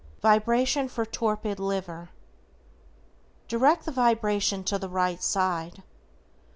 =VIBRATION FOR TORPID LIVER:= Direct the vibrations to the right side.